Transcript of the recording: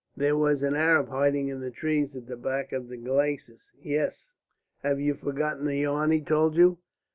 There was an Arab hiding in the trees at the back of the glacis." "Yes." "Have you forgotten the yarn he told you?"